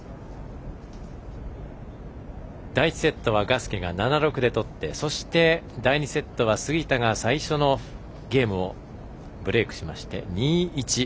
第１セットはガスケが７−６でとってそして、第２セットは杉田が最初のゲームをブレークしまして、２−１。